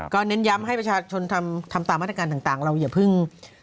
เน้นย้ำให้ประชาชนทำตามมาตรการต่างเราอย่าเพิ่ง